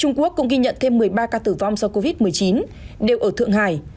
trung quốc cũng ghi nhận thêm một mươi ba ca tử vong do covid một mươi chín đều ở thượng hải